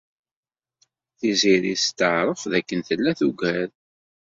Tiziri testeɛṛef dakken tella tugad.